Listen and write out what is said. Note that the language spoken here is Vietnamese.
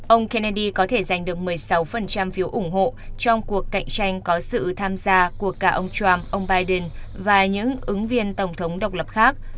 ông kennedy có thể giành được một mươi sáu phiếu ủng hộ trong cuộc cạnh tranh có sự tham gia của cả ông trump ông biden và những ứng viên tổng thống độc lập khác